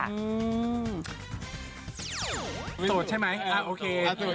อื้อโสดใช่ไหมอ่ะโอเค